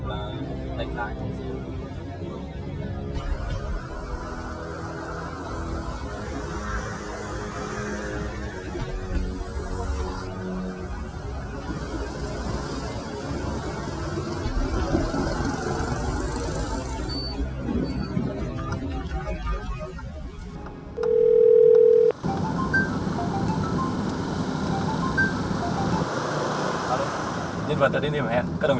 giữ lại đoán dụng đoán